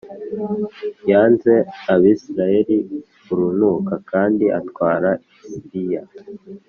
yanze Abisirayeli urunuka kandi atwara i Siriya